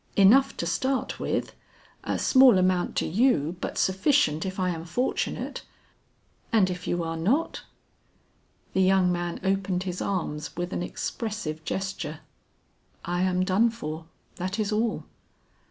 enough to start with; a small amount to you, but sufficient if I am fortunate." "And if you are not?" The young man opened his arms with an expressive gesture, "I am done for, that is all."